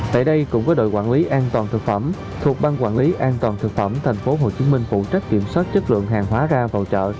tại đây cũng có đội quản lý an toàn thực phẩm thuộc ban quản lý an toàn thực phẩm tp hcm phụ trách kiểm soát chất lượng hàng hóa ra vào chợ